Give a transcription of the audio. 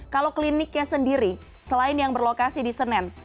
kalau kliniknya sendiri selain yang berlokasi di senen